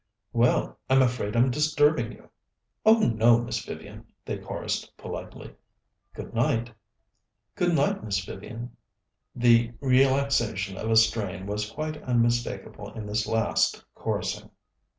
"Well, I'm afraid I'm disturbing you." "Oh, no, Miss Vivian," they chorused politely. "Good night." "Good night, Miss Vivian." The relaxation of a strain was quite unmistakable in this last chorusing.